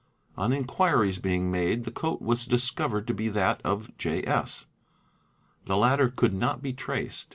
On inquiries being made the coat was discovered to be that of J. S. The latter could not be traced.